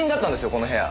この部屋！